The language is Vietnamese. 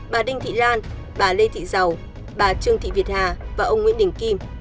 bà đinh thị lan bà lê thị giàu bà trương thị việt hà và ông nguyễn đình kim